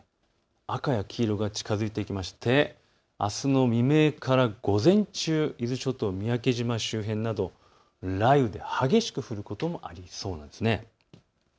赤や黄色が近づいていきましてあすの未明から午前中、伊豆諸島、三宅島周辺など雷雨で激しく降ることもありそうなんです。